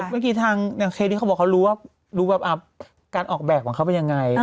เมื่อกี้ทางอย่างเคสที่เขาบอกเขารู้ว่าการออกแบบของเขาเป็นยังไง